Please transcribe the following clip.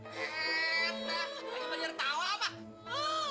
banyar banyar tawa apa